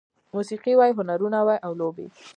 موسيقي وای، هنرونه وای او لوبې